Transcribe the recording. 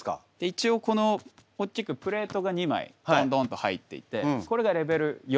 一応この大きくプレートが２枚ドンドンと入っていてこれがレベル４。